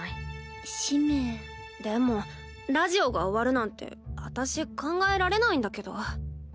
でもラジオが終わるなんて私考えられないんだけど。